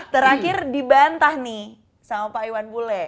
terakhir dibantah nih sama pak iwan bule